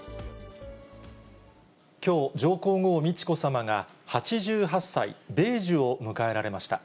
きょう、上皇后、美智子さまが８８歳・米寿を迎えられました。